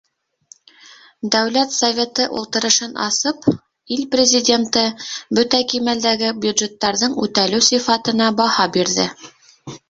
Дәүләт Советы ултырышын асып, ил Президенты бөтә кимәлдәге бюджеттарҙың үтәлеү сифатына баһа бирҙе.